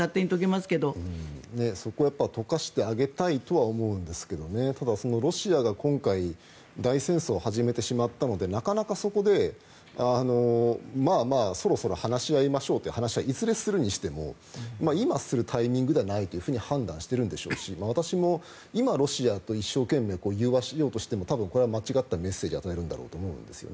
そこは解かしてあげたいとは思うんですがただ、ロシアが今回大戦争を始めてしまったのでなかなかそこでまあまあそろそろ話し合いましょうという話はいずれするにしても今、するという段階ではないという判断しているんでしょうし私も今、ロシアと一生懸命融和しようとしてもこれは間違ったメッセージを与えるんだろうと思うんです。